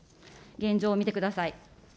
現状見てください。